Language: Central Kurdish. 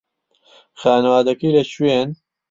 خانەوادەکەی لەکوێن؟